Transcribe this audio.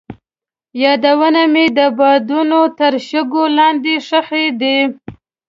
یادونه مې د بادونو تر شګو لاندې ښخې دي.